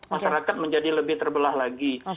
masyarakat menjadi lebih terbelah lagi